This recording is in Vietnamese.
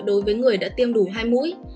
đối với người đã tiêm đủ hai mũi